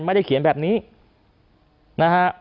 ไม่ได้เขียนแบบนี้นะฮะ